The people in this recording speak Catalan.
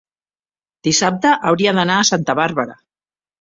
dissabte hauria d'anar a Santa Bàrbara.